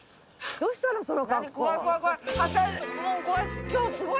どうしたの？